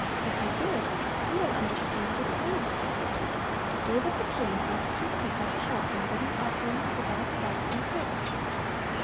If you did, you will understand this morning's text! David the King asked his people to help in bringing offerings for God's house and service.